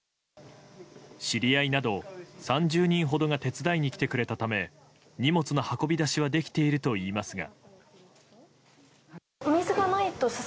知り合いなど３０人ほどが手伝いに来てくれたため荷物の運び出しはできているといいますが。